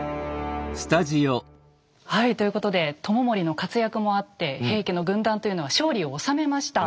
はいということで知盛の活躍もあって平家の軍団というのは勝利を収めました。